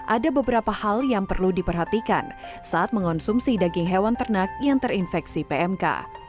ada beberapa hal yang perlu diperhatikan saat mengonsumsi daging hewan ternak yang terinfeksi pmk